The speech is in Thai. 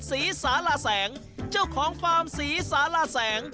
ศรีสาราแสงเจ้าของฟาร์มศรีสารแสง